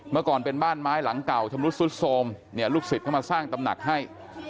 เมื่อก่อนเป็นบ้านไม้หลังเก่าชำรุดสุดโทรมเนี่ยลูกศิษย์เข้ามาสร้างตำหนักให้